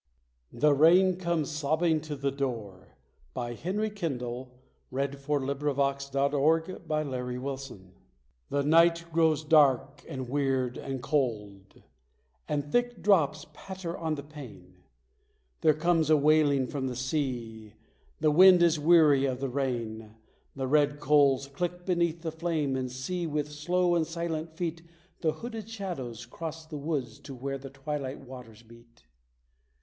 nd leave her with me!" Oh, the heart that was broke for Deloya! The Rain Comes Sobbing to the Door The night grows dark, and weird, and cold; and thick drops patter on the pane; There comes a wailing from the sea; the wind is weary of the rain. The red coals click beneath the flame, and see, with slow and silent feet The hooded shadows cross the woods to where the twilight waters beat!